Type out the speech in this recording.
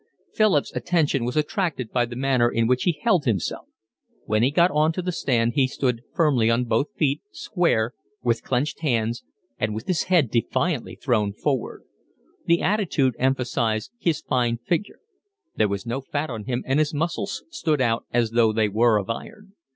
Philip's attention was attracted by the manner in which he held himself: when he got on to the stand he stood firmly on both feet, square, with clenched hands, and with his head defiantly thrown forward; the attitude emphasised his fine figure; there was no fat on him, and his muscles stood out as though they were of iron.